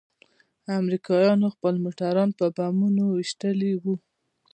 امريکايانو خپل موټران په بمونو ويشتلي وو.